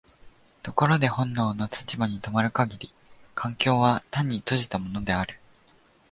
ところで本能の立場に止まる限り環境は単に閉じたものである。